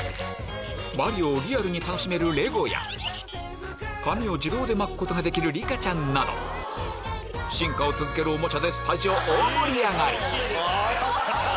『マリオ』をリアルに楽しめるレゴや髪を自動で巻くことができるリカちゃんなど進化を続けるおもちゃでスタジオ大盛り上がり！